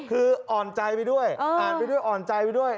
คืออ่อนใจไปด้วยอ่อนใจไปด้วย